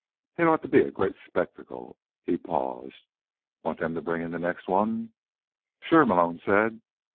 It ought to be a great spectacle." He paused. "Want them to bring in the next one?" "Sure," Malone said.